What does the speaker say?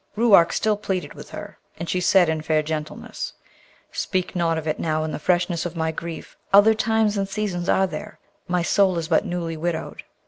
Ruark still pleaded with her, and she said in fair gentleness, 'Speak not of it now in the freshness of my grief! Other times and seasons are there. My soul is but newly widowed!'